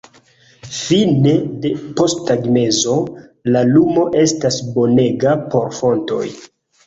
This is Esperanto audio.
Fine de postagmezo, la lumo estas bonega por fotoj.